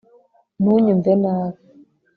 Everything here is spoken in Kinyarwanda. ntunyumve nabi